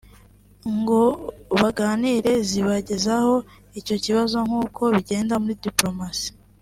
ngo baganire zibagezeho icyo kibazo nkuko bigenda muri Diplomasi